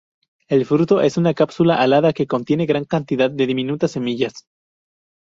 El fruto es una cápsula alada que contiene gran cantidad de diminutas semillas.